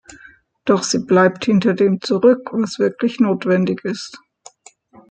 Doch sie bleibt hinter dem zurück, was wirklich notwendig ist.